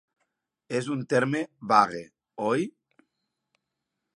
És un terme vague, oi?